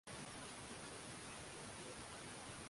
Tulimwomba Mungu dua amesikia